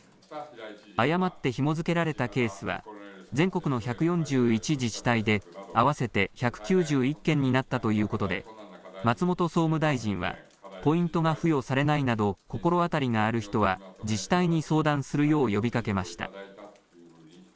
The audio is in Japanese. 誤ってひも付けられたケースは全国の１４１自治体で合わせて１９１件になったということで松本総務大臣はポイントが付与されないなど心当たりがある人は自治体に相談するよう呼びかけました。